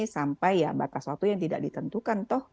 sampai ya batas waktu yang tidak ditentukan toh